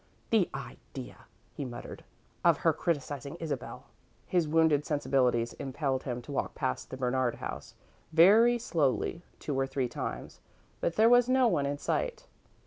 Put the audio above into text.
"The idea," he muttered, "of her criticising Isabel!" His wounded sensibilities impelled him to walk past the Bernard house, very slowly, two or three times, but there was no one in sight.